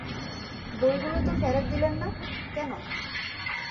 বইগুলি তো ফেরত দিলেন না, কেন?